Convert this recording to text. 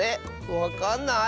わかんない？